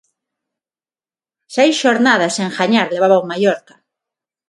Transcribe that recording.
Seis xornadas sen gañar levaba o Mallorca.